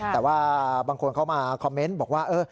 แต่ว่าบางคนเข้ามาคอมเมนต์บอกว่า